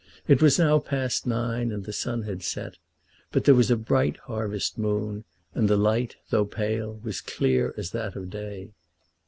It was now past nine, and the sun had set; but there was a bright harvest moon, and the light, though pale, was clear as that of day.